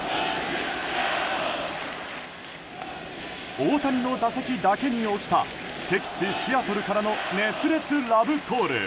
大谷の打席だけに起きた敵地シアトルからの熱烈ラブコール。